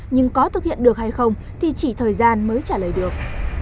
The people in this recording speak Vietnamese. nhưng có thực hiện được hay không thì chỉ thời gian mới trả lời được